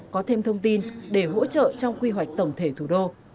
có thêm thông tin để hỗ trợ trong quy hoạch tổng thể thủ đô